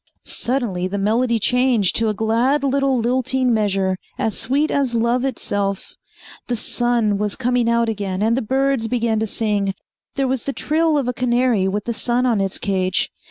Suddenly the melody changed to a glad little lilting measure, as sweet as love itself. The sun was coming out again and the birds began to sing. There was the trill of a canary with the sun on its cage.